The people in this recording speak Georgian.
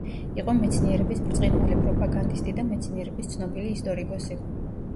იყო მეცნიერების ბრწყინვალე პროპაგანდისტი და მეცნიერების ცნობილი ისტორიკოსი.